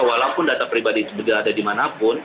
walaupun data pribadi sudah ada dimanapun